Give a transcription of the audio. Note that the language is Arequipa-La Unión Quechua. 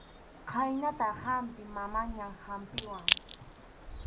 Chhaynatam chaypi mamaña hampiwan.